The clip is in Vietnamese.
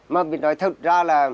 mà mình nói thật ra là